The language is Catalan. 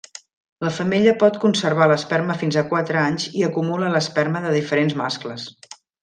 La femella pot conservar l'esperma fins a quatre anys i acumula l'esperma de diferents mascles.